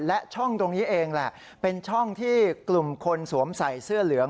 และช่องตรงนี้เองแหละเป็นช่องที่กลุ่มคนสวมใส่เสื้อเหลือง